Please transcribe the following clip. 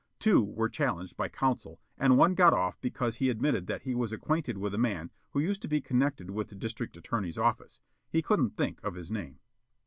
Two were challenged by counsel and one got off because he admitted that he was acquainted with a man who used to be connected with the District Attorney's office, he couldn't think of his name.